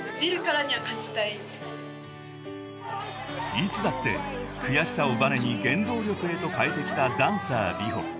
［いつだって悔しさをばねに原動力へと変えてきたダンサーＲｉｈｏ］